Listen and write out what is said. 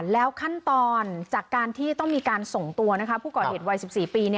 แล้วขั้นตอนจากการที่ต้องมีการส่งตัวผู้ก่อเหตุวัย๑๔ปี